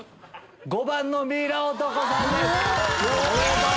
５番のミイラ男さんです！